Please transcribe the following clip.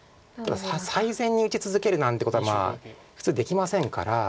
最善に打ち続けるなんてことはまあ普通できませんから。